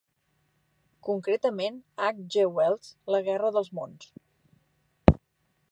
Concretament, H. G. Wells 'la guerra dels mons'.